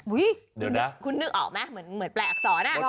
เดี๋ยวนะคุณนึกออกไหมเหมือนแปลอักษร